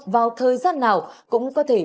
vào thời gian nào cũng có thể